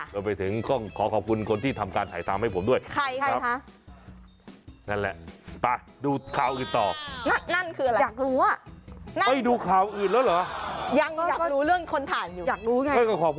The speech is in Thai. เราไปถึงข้อขอบคุณคนที่ทำการถ่ายซ้ำให้ผมด้วยครับ